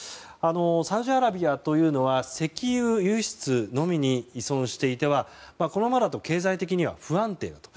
サウジアラビアというのは石油輸出のみに依存していてはこのままだと経済的には不安定だと。